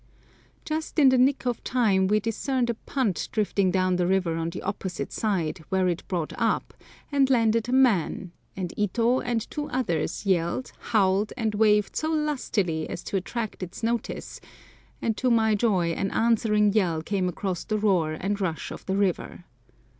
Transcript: Just in the nick of time we discerned a punt drifting down the river on the opposite side, where it brought up, and landed a man, and Ito and two others yelled, howled, and waved so lustily as to attract its notice, and to my joy an answering yell came across the roar and rush of the river.